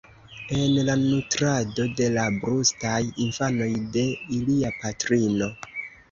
en la nutrado de la brustaj infanoj de ilia patrino.